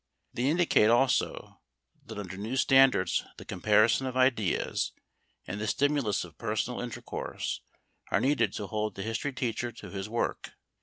They indicate also that under new standards the comparison of ideas and the stimulus of personal intercourse are needed to hold the history teacher to his work.